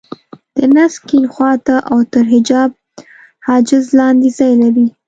د نس کيڼ خوا ته او تر حجاب حاجز لاندې ځای لري.